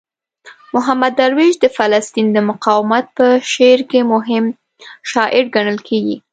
محمود درویش د فلسطین د مقاومت په شعر کې مهم شاعر ګڼل کیږي.